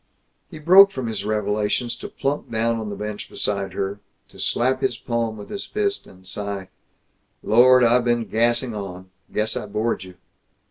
He broke from his revelations to plump down on the bench beside her, to slap his palm with his fist, and sigh, "Lord, I've been gassing on! Guess I bored you!"